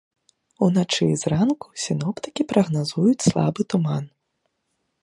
Уначы і зранку сіноптыкі прагназуюць слабы туман.